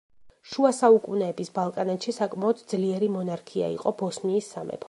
შუა საუკუნეების ბალკანეთში საკმაოდ ძლიერი მონარქია იყო ბოსნიის სამეფო.